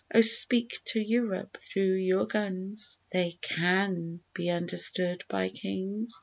O speak to Europe through your guns! They can be understood by kings.